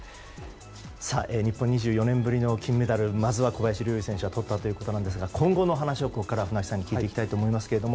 日本２４年ぶりの金メダルまずは小林陵佑選手がとったということなんですが混合の話をここから船木さんに聞いていきたいと思います。